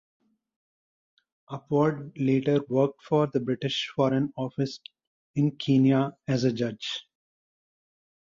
Upward later worked for the British Foreign Office in Kenya as a judge.